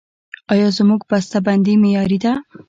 آیا زموږ بسته بندي معیاري ده؟